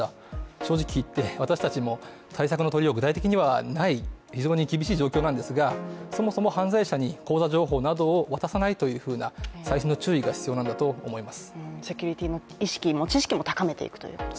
正直言って、私たちも対策の取りようが具体的にはない、非常に厳しい状況なんですが、そもそも犯罪者に口座情報などを渡さないというふうな細心の注意が必要なんだと思います。